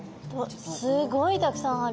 すごいたくさんある。